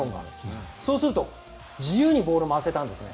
そうすると自由にボールを回せたんですね。